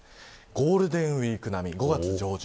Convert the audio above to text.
ゴールデンウイーク並みになります。